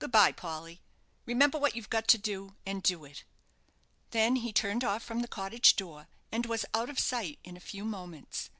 Good bye, Polly. Remember what you've got to do, and do it." Then he turned off from the cottage door, and was out of sight in a few moments.